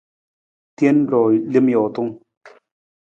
Teen ruu lem jootung.